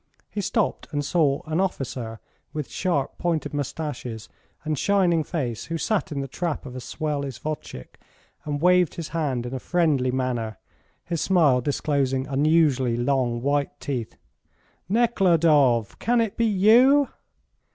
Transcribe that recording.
He stopped and saw an officer with sharp pointed moustaches and shining face who sat in the trap of a swell isvostchik and waved his hand in a friendly manner, his smile disclosing unusually long, white teeth. "Nekhludoff! Can it be you?"